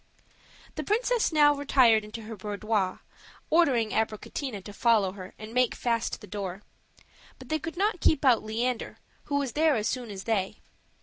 The princess now retired into her boudoir, ordering Abricotina to follow her and make fast the door; but they could not keep out Leander, who was there as soon as they.